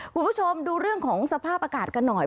คุณผู้ชมดูเรื่องของสภาพอากาศกันหน่อย